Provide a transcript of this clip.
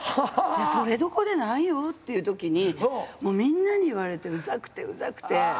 それどこじゃないよっていう時にもうみんなに言われてうざくてうざくて。